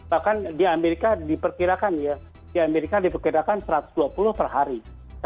bahkan di amerika diperkirakan ya di amerika diperkirakan satu ratus dua puluh per hari